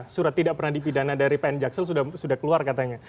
surat tidak pernah dipidana dari pn jaksel sudah keluar katanya